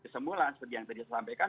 semula seperti yang tadi saya sampaikan